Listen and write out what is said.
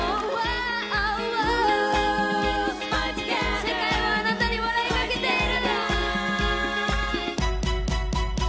「世界はあなたに笑いかけている」！